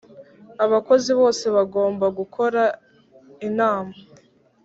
abakozi bose bagomba gukora inama